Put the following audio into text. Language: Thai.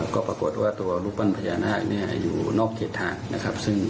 ก็ปรากฏว่าตัวรูปปั้นพญานาคเนี่ยอยู่นอกเขตทางนะครับ